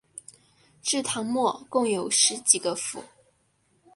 至唐末共有十几个府。